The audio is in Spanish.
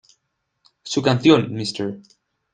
Su canción "Mr.